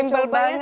simple banget ya